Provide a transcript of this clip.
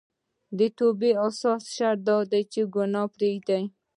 د توبې اساسي شرط دا دی چې ګناه پريږدي